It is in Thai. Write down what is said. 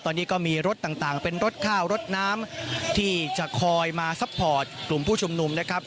ตอนนี้ก็มีรถต่างเป็นรถข้าวรถน้ำที่จะคอยมาซัพพอร์ตกลุ่มผู้ชุมนุมนะครับ